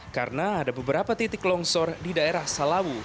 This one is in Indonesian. karena ada beberapa titik longsor di daerah salawu